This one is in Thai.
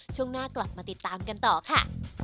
ช่วงหน้ากลับมาติดตามกันต่อค่ะ